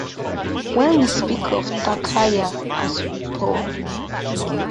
We will speak of Takaya as we pour.